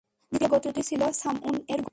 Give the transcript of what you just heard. দ্বিতীয় গোত্রটি ছিল শামউন-এর গোত্র।